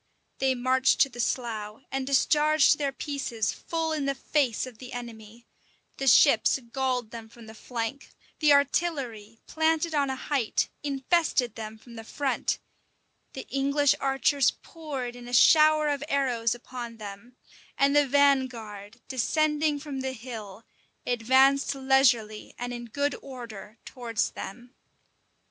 They marched to the slough, and discharged their pieces full in the face of the enemy: the ships galled them from the flank: the artillery, planted on a height, infested them from the front: the English archers poured in a shower of arrows upon them: and the vanguard, descending from the hill, advanced leisurely and in good order towards them.